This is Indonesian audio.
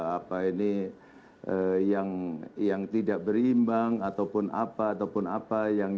apa ini yang tidak berimbang ataupun apa